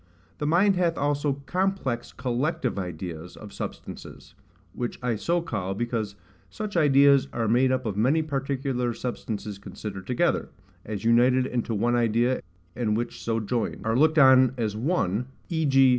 the mind hath also complex COLLECTIVE ideas of substances; which I so call, because such ideas are made up of many particular substances considered together, as united into one idea, and which so joined; are looked on as one; v. g.